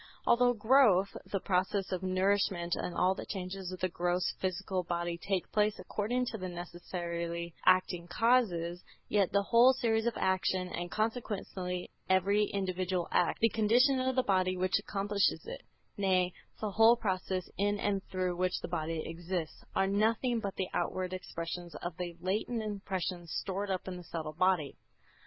Although growth, the process of nourishment and all the changes of the gross physical body take place according to the necessarily acting causes, yet the whole series of actions, and consequently every individual act, the condition of the body which accomplishes it, nay, the whole process in and through which the body exists, are nothing but the outward expressions of the latent impressions stored up in the subtle body.